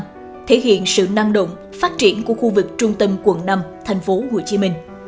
đây là biểu hiện sự năng động phát triển của khu vực trung tâm quận năm thành phố hồ chí minh